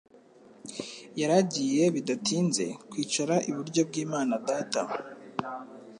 yari agiye bidatinze kwicara iburyo bw'Imana Data;